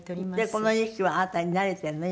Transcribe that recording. この２匹はあなたに慣れてるの？